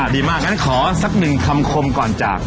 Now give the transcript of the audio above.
ดีมากงั้นขอสักหนึ่งคำคมก่อนจาก